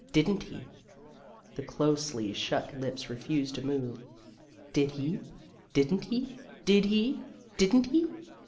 Did n't he ?" The closely shut lips refused to move. "Did he? Did n't he? Did he ? Didn't he